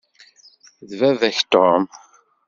D baba-k Tom.